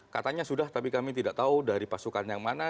katanya sudah tapi kami tidak tahu dari pasukan yang mana